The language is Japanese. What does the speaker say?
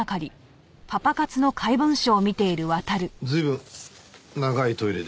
随分長いトイレでしたね。